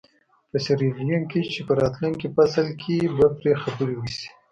په سیریلیون کې چې په راتلونکي فصل کې به پرې خبرې وشي.